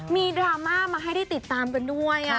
ดราม่ามาให้ได้ติดตามกันด้วย